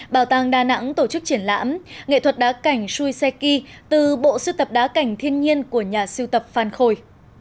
bảo tàng đà nẵng tổ chức triển lãm nghệ thuật đá cảnh shuiseki từ bộ sưu tập đá cảnh thiên nhiên của nhà siêu tập phan khôi